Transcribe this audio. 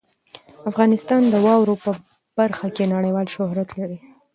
افغانستان د واوره په برخه کې نړیوال شهرت لري.